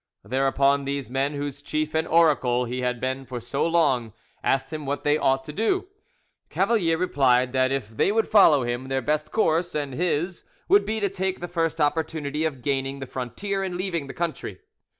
Thereupon these men, whose chief and oracle he had been for so long, asked him what they ought to do; Cavalier replied that if they would follow him, their best course and his would be to take the first opportunity of gaining the frontier and leaving the country.